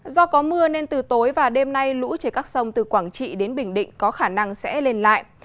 do có mưa nên từ tối và đêm nay lũ trên các sông từ quảng trị đến bình định có khả năng sẽ lên lại